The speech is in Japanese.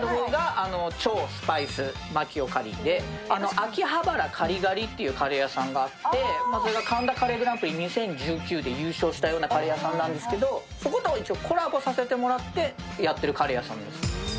秋葉原カリガリっていうカレー屋さんがあって、それが神田カレーグランプリ２０１９で優勝したカレー屋さんなんですけど、そことコラボさせてもらってやってるカレー屋さんです。